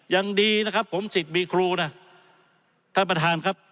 ยังดีนะครับผมสิทธิ์มีครูนะท่านประธานครับ